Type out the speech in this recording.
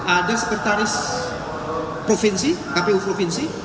ada sekretaris provinsi kpu provinsi